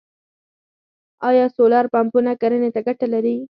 آیا سولر پمپونه کرنې ته ګټه لري؟